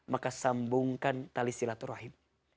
maka sambungkan tali silaturahim